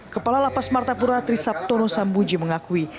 kepala lapas martapura trisabtono sambuji mengakui